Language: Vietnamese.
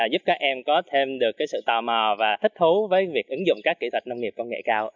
giúp các em có thêm được sự tò mò và thích thú với việc ứng dụng các kỹ thuật nông nghiệp công nghệ cao